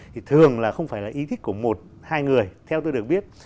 thì thường là không phải là ý thích của một hai người theo tôi được biết